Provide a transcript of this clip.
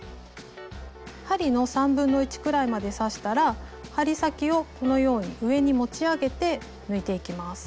針の1/3くらいまで刺したら針先をこのように上に持ち上げて抜いていきます。